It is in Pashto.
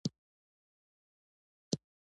ټپي له درد چیغې وهي.